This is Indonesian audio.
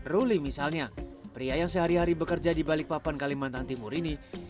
ruli misalnya pria yang sehari hari bekerja di balikpapan kalimantan timur ini